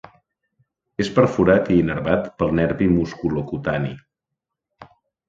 És perforat i innervat pel nervi musculocutani.